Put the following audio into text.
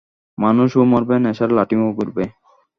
মানুষও মরবে, নেশার লাটিমও ঘুরবে